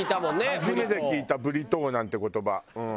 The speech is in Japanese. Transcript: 初めて聞いたブリトーなんて言葉うん。